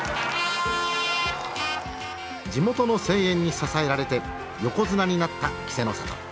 地元の声援に支えられて横綱になった稀勢の里。